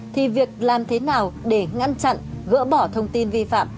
thì việc làm thế nào để ngăn chặn gỡ bỏ thông tin vi phạm